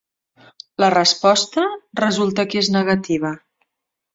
La resposta, resulta que és negativa.